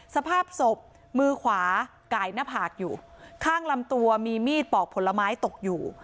สภาพศพมือขวาไก่หน้าผากอยู่ข้างลำตัวมีมีดปอกผลไม้ตกอยู่